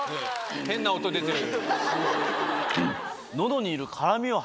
変な音出てる。